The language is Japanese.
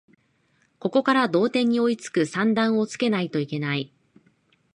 ここから同点に追いつく算段をつけないといけない